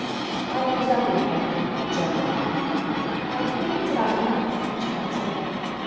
"How long has tha' been here?" he jerked out. "I think it's about a month," she answered.